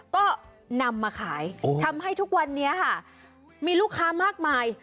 ก็นำมาขายทำให้ทุกวันนี้ค่ะมีลูกค้ามากมาย